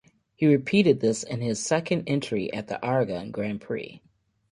He repeated this in his second entry at the Aragon grand prix.